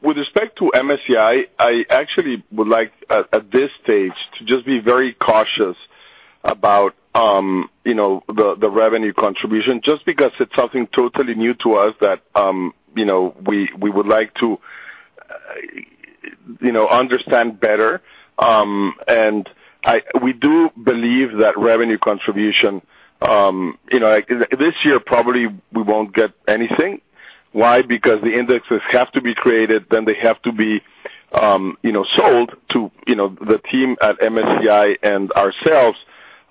With respect to MSCI, I actually would like at this stage to just be very cautious about the revenue contribution, just because it's something totally new to us that we would like to understand better. We do believe that revenue contribution, this year probably we won't get anything. Why? The indexes have to be created, then they have to be sold to the team at MSCI and ourselves.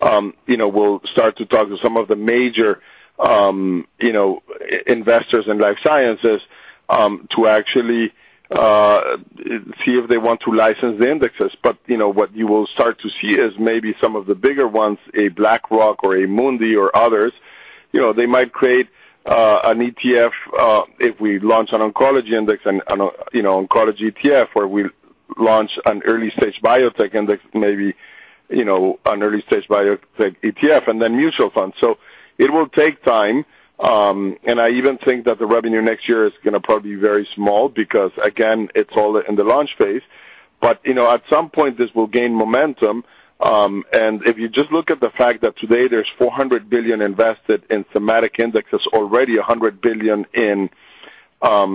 We'll start to talk to some of the major investors in life sciences to actually see if they want to license the indexes. What you will start to see is maybe some of the bigger ones, a BlackRock or Amundi or others, they might create an ETF if we launch an oncology index and an oncology ETF, or we launch an early-stage biotech index, maybe an early-stage biotech ETF, and then mutual funds. It will take time. I even think that the revenue next year is going to probably be very small because, again, it's all in the launch phase. At some point this will gain momentum. If you just look at the fact that today there's $400 billion invested in thematic indexes, already $100 billion in ETFs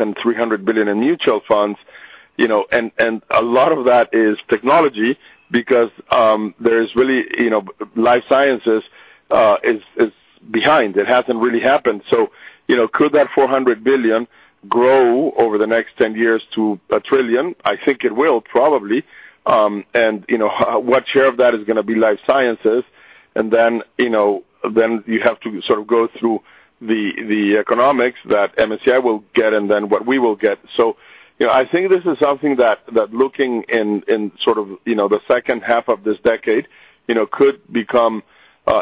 and $300 billion in mutual funds, and a lot of that is technology because life sciences is behind. It hasn't really happened. Could that $400 billion grow over the next 10 years to a trillion? I think it will probably. What share of that is going to be life sciences? Then you have to sort of go through the economics that MSCI will get and then what we will get. I think this is something that looking in sort of the second half of this decade could become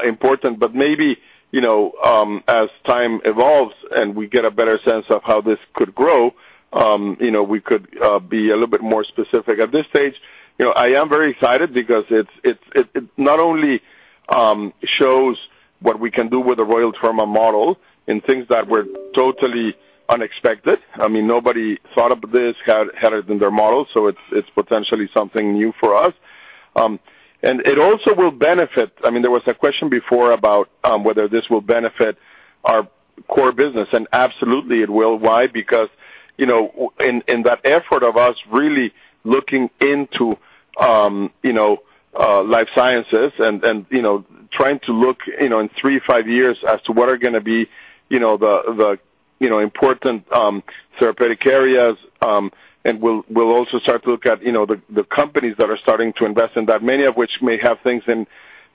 important. Maybe as time evolves and we get a better sense of how this could grow, we could be a little bit more specific. At this stage, I am very excited because it not only shows what we can do with the Royalty Pharma model in things that were totally unexpected. Nobody thought of this, had it in their model, so it's potentially something new for us. It also will benefit. There was a question before about whether this will benefit our core business, and absolutely it will. Why? Because in that effort of us really looking into life sciences and trying to look in three to five years as to what are going to be the important therapeutic areas. We'll also start to look at the companies that are starting to invest in that, many of which may have things in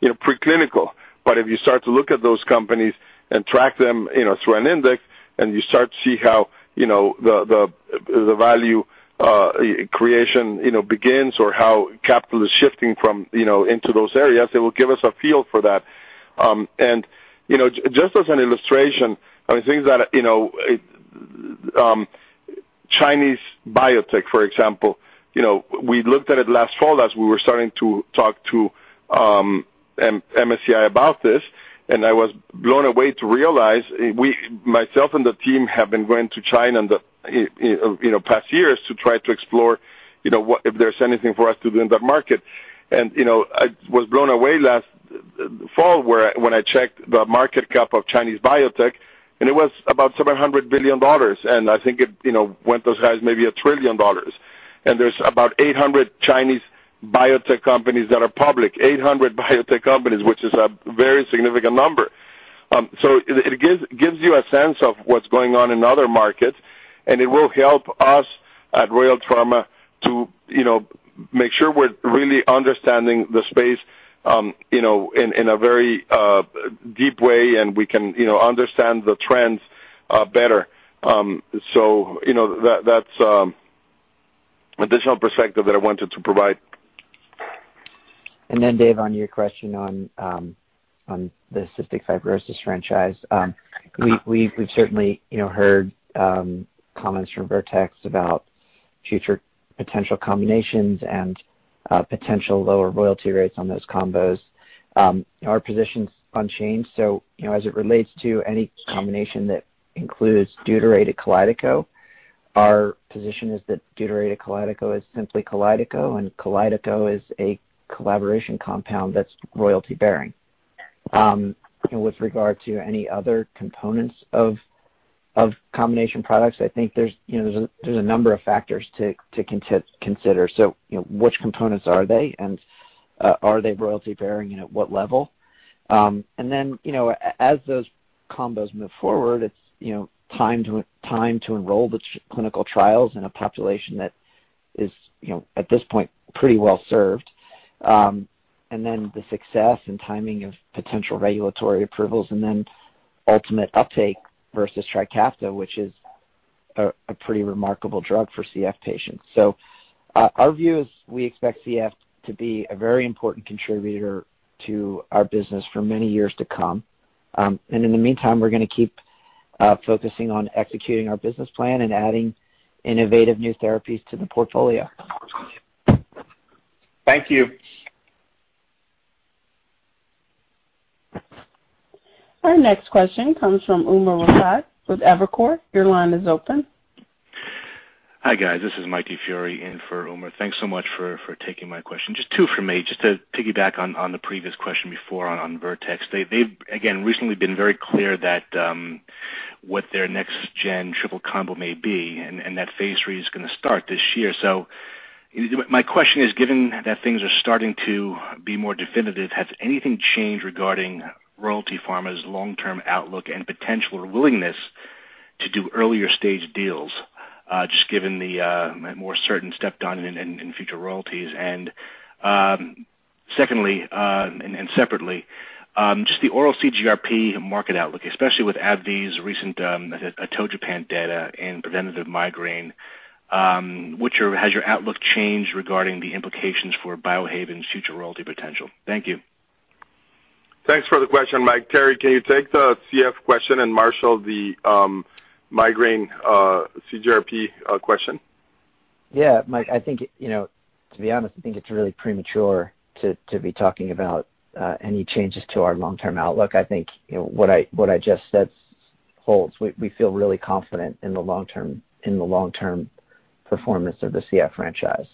preclinical. If you start to look at those companies and track them through an index, and you start to see how the value creation begins or how capital is shifting into those areas, it will give us a feel for that. Just as an illustration, Chinese biotech, for example. We looked at it last fall as we were starting to talk to MSCI about this, and I was blown away to realize myself and the team have been going to China in the past years to try to explore if there's anything for us to do in that market. I was blown away last fall when I checked the market cap of Chinese biotech, and it was about $700 billion. I think it went as high as maybe $1 trillion. There's about 800 Chinese biotech companies that are public, 800 biotech companies, which is a very significant number. It gives you a sense of what's going on in other markets, and it will help us at Royalty Pharma to make sure we're really understanding the space in a very deep way, and we can understand the trends better. That's additional perspective that I wanted to provide. Dave, on your question on the cystic fibrosis franchise. We've certainly heard comments from Vertex about future potential combinations and potential lower royalty rates on those combos. Our position's unchanged. As it relates to any combination that includes deuterated KALYDECO, our position is that deuterated KALYDECO is simply KALYDECO, and KALYDECO is a collaboration compound that's royalty-bearing. With regard to any other components of combination products, I think there's a number of factors to consider. Which components are they, and are they royalty-bearing, and at what level? As those combos move forward, it's time to enroll the clinical trials in a population that is, at this point, pretty well-served. The success and timing of potential regulatory approvals, and then ultimate uptake versus Trikafta, which is a pretty remarkable drug for CF patients. Our view is we expect CF to be a very important contributor to our business for many years to come. In the meantime, we're going to keep focusing on executing our business plan and adding innovative new therapies to the portfolio. Thank you. Our next question comes from Umer Raffat with Evercore. Your line is open. Hi, guys. This is Mike DiFiore in for Umer Raffat. Thanks so much for taking my question. Just two from me. Just to piggyback on the previous question before on Vertex. They've again recently been very clear what their next gen triple combo may be, and that phase III is going to start this year. My question is, given that things are starting to be more definitive, has anything changed regarding Royalty Pharma's long-term outlook and potential or willingness to do earlier-stage deals, just given the more certain step down in future royalties? Secondly, and separately, just the oral CGRP market outlook, especially with AbbVie's recent atogepant data in preventative migraine, has your outlook changed regarding the implications for Biohaven's future royalty potential? Thank you. Thanks for the question, Mike. Terry, can you take the CF question and Marshall the migraine CGRP question? Yeah, Mike, to be honest, I think it's really premature to be talking about any changes to our long-term outlook. I think what I just said holds. We feel really confident in the long-term performance of the CF franchise.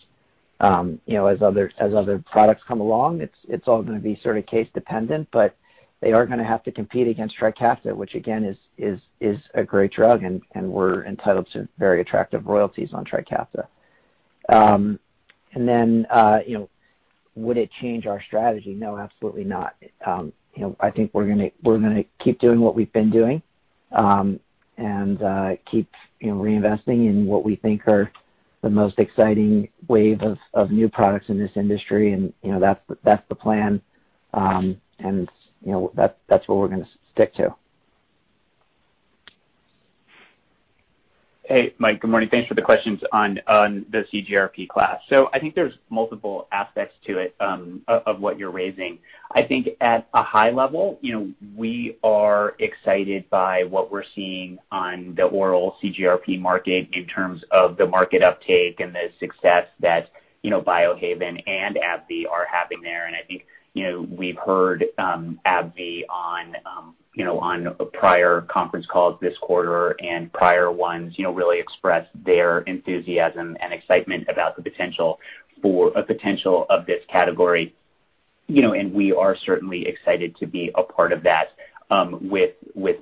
As other products come along, it's all going to be case dependent, but they are going to have to compete against TRIKAFTA, which again is a great drug, and we're entitled to very attractive royalties on TRIKAFTA. Would it change our strategy? No, absolutely not. I think we're going to keep doing what we've been doing, and keep reinvesting in what we think are the most exciting wave of new products in this industry, and that's the plan. That's what we're going to stick to. Hey, Mike. Good morning. Thanks for the questions on the CGRP class. I think there's multiple aspects to it, of what you're raising. I think at a high level, we are excited by what we're seeing on the oral CGRP market in terms of the market uptake and the success that Biohaven and AbbVie are having there. I think we've heard AbbVie on prior conference calls this quarter and prior ones really express their enthusiasm and excitement about the potential of this category. We are certainly excited to be a part of that with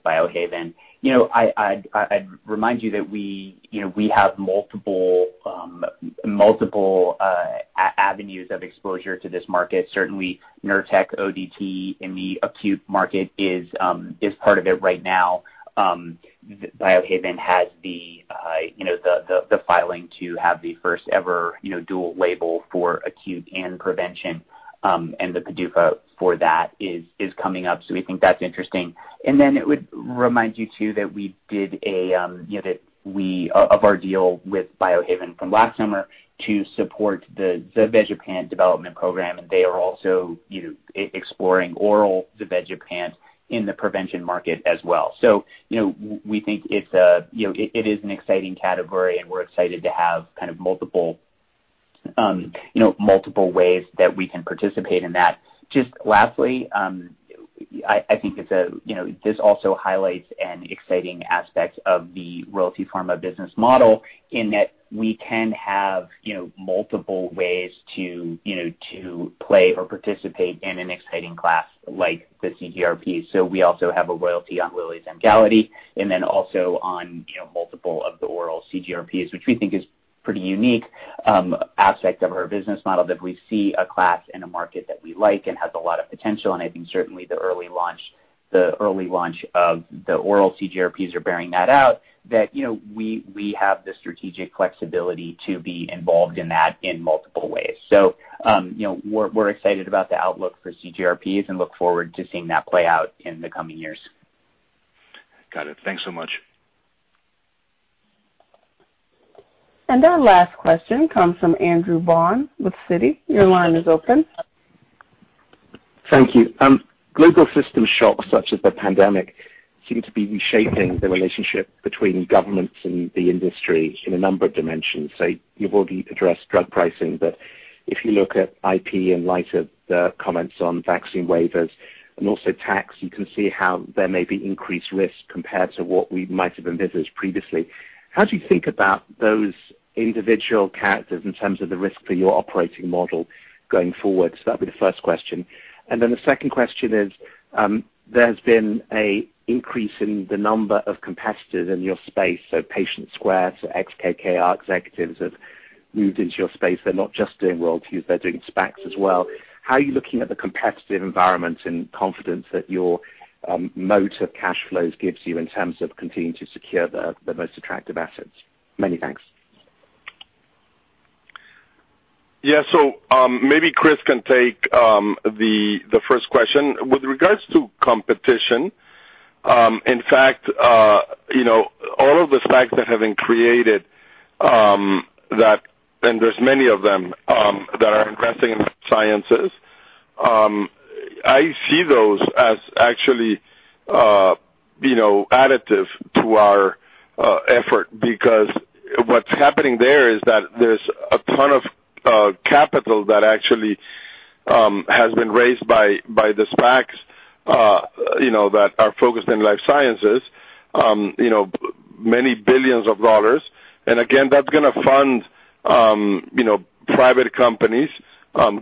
Biohaven. I'd remind you that we have multiple avenues of exposure to this market. Certainly, NURTEC ODT in the acute market is part of it right now. Biohaven has the filing to have the first ever dual label for acute and prevention. The PDUFA for that is coming up. We think that's interesting. I would remind you too of our deal with Biohaven from last summer to support the zavegepant development program, and they are also exploring oral zavegepant in the prevention market as well. We think it is an exciting category, and we're excited to have multiple ways that we can participate in that. Just lastly, I think this also highlights an exciting aspect of the Royalty Pharma business model in that we can have multiple ways to play or participate in an exciting class like the CGRPs. We also have a royalty on Lilly's Emgality, and then also on multiple of the oral CGRPs, which we think is pretty unique aspect of our business model that we see a class and a market that we like and has a lot of potential, and I think certainly the early launch of the oral CGRPs are bearing that out, that we have the strategic flexibility to be involved in that in multiple ways. We're excited about the outlook for CGRPs and look forward to seeing that play out in the coming years. Got it. Thanks so much. Our last question comes from Andrew Baum with Citi. Your line is open. Thank you. Global system shocks such as the pandemic seem to be reshaping the relationship between governments and the industry in a number of dimensions. You've already addressed drug pricing, if you look at IP in light of the comments on vaccine waivers and also tax, you can see how there may be increased risk compared to what we might have envisaged previously. How do you think about those individual characters in terms of the risk for your operating model going forward? That'll be the first question. The second question is, there's been an increase in the number of competitors in your space. Patient Square, ex-KKR executives have moved into your space. They're not just doing royalties, they're doing SPACs as well. How are you looking at the competitive environment and confidence that your moat of cash flows gives you in terms of continuing to secure the most attractive assets? Many thanks. Maybe Chris can take the first question. With regards to competition, in fact all of the SPACs that have been created, and there's many of them, that are investing in life sciences, I see those as actually additive to our effort. What's happening there is that there's a ton of capital that actually has been raised by the SPACs that are focused in life sciences, many billions of dollars. Again, that's going to fund private companies,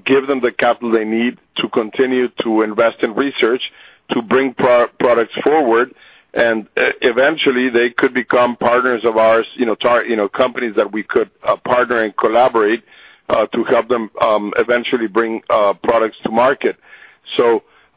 give them the capital they need to continue to invest in research to bring products forward, and eventually they could become partners of ours, companies that we could partner and collaborate to help them eventually bring products to market.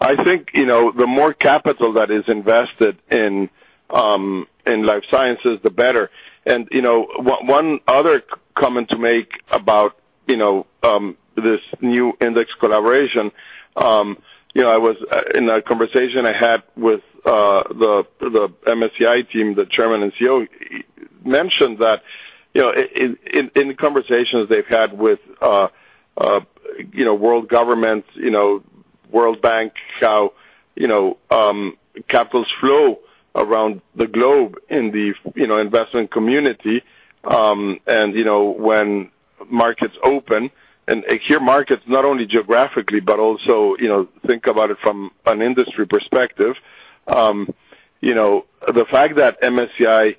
I think, the more capital that is invested in life sciences, the better. One other comment to make about this new index collaboration, in a conversation I had with the MSCI team, the chairman and CEO mentioned that in the conversations they've had with world governments, The World Bank, how capitals flow around the globe in the investment community. When markets open, and here markets not only geographically, but also think about it from an industry perspective. The fact that MSCI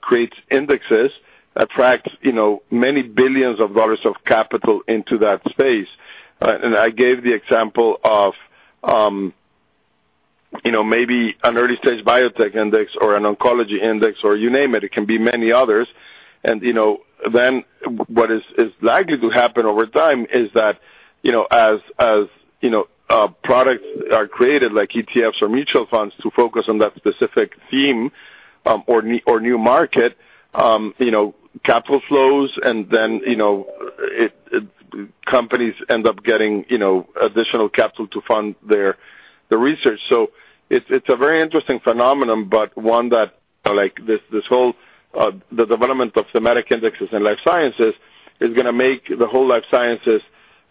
creates indexes attracts many billions of dollars of capital into that space. I gave the example of maybe an early-stage biotech index or an oncology index, or you name it can be many others. Then what is likely to happen over time is that, as products are created, like ETFs or mutual funds, to focus on that specific theme or new market, capital flows and then companies end up getting additional capital to fund their research. It's a very interesting phenomenon, but one that this whole development of thematic indexes in life sciences is going to make the whole life sciences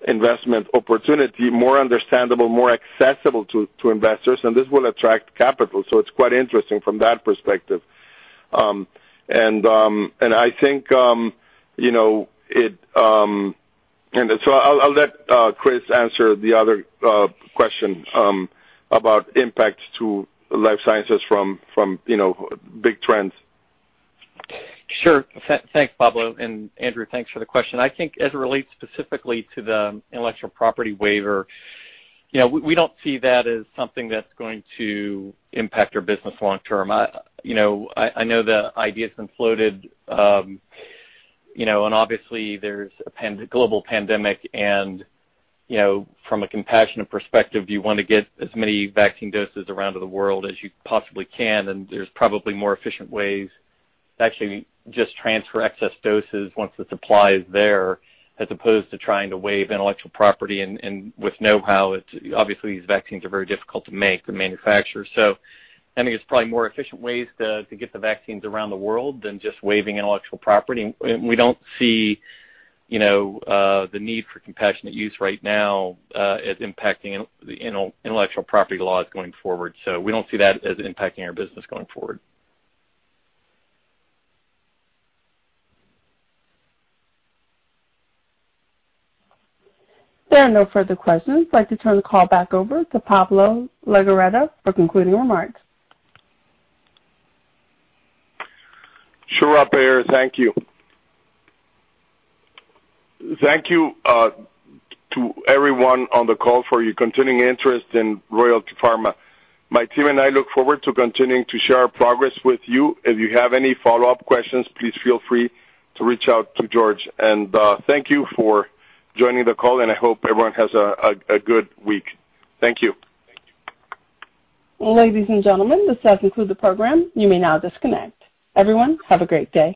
investment opportunity more understandable, more accessible to investors, and this will attract capital. It's quite interesting from that perspective. I'll let Chris answer the other question about impacts to life sciences from big trends. Sure. Thanks, Pablo. Andrew, thanks for the question. I think as it relates specifically to the intellectual property waiver, we don't see that as something that's going to impact our business long term. I know the idea's been floated, and obviously there's a global pandemic, and from a compassionate perspective, you want to get as many vaccine doses around to the world as you possibly can, and there's probably more efficient ways to actually just transfer excess doses once the supply is there, as opposed to trying to waive intellectual property and with know-how. Obviously, these vaccines are very difficult to make and manufacture, so I think there's probably more efficient ways to get the vaccines around the world than just waiving intellectual property. We don't see the need for compassionate use right now as impacting intellectual property laws going forward. We don't see that as impacting our business going forward. There are no further questions. I'd like to turn the call back over to Pablo Legorreta for concluding remarks. Sure, operator. Thank you. Thank you to everyone on the call for your continuing interest in Royalty Pharma. My team and I look forward to continuing to share our progress with you. If you have any follow-up questions, please feel free to reach out to George. Thank you for joining the call, and I hope everyone has a good week. Thank you. Ladies and gentlemen, this does conclude the program. Everyone, have a great day.